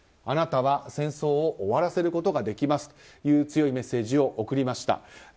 あなたは戦争を終わらせることができますという強いメッセージを送りました。